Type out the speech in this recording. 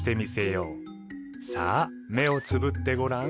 さあ目をつぶってごらん。